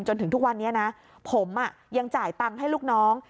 จนถึงทุกวันนี้นะผมยังจ่ายตังค์ให้ลูกน้อง